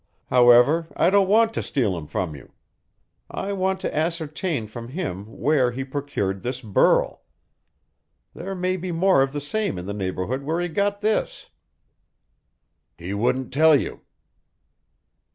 "However, I don't want to steal him from you. I want to ascertain from him where he procured this burl. There may be more of the same in the neighbourhood where he got this." "He wouldn't tell you."